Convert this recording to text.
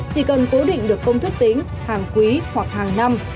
chỉ cần cố định được công thức tính hàng quý hoặc hàng năm